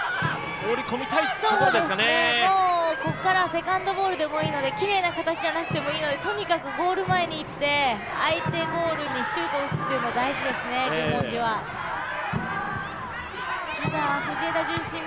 もうここからはセカンドボールでもいいのできれいな形じゃなくてもいいのでとにかくゴール前にいって、相手ゴールにシュートを打つのが大事ですね、十文字は。